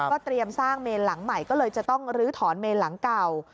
เตรียมสร้างเมนหลังใหม่ก็เลยจะต้องลื้อถอนเมนหลังเก่า